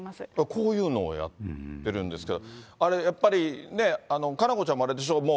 やっぱりこういうのをやってるんですけど、あれやっぱり、佳菜子ちゃんもあれでしょ？